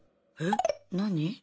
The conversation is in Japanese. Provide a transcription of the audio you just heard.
何？